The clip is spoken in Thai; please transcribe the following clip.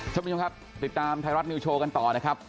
สวัสดีคุณค่ะติดตามไทยรัฐนิวโชว์กันต่อนะครับ